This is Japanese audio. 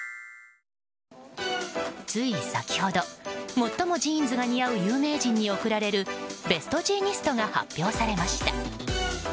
つい先ほど最もジーンズが似合う有名人に贈られるベストジーニストが発表されました。